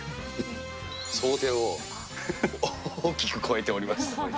想定を大きく超えております。